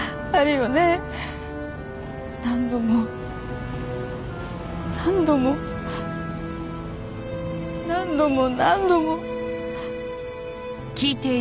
何度も何度も何度も何度も。